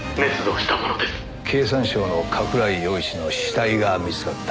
経産省の加倉井陽一の死体が見つかった。